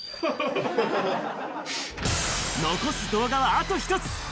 残す動画はあと１つ。